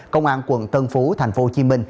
công an quận tân phú tp hcm